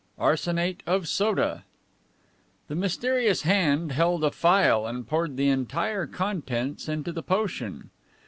VII. ARSENATE OF SODA The mysterious hand held a phial and poured the entire contents into the potion.